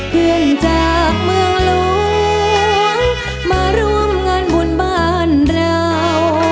เพื่อนจากเมืองหลวงมาร่วมงานบุญบ้านเรา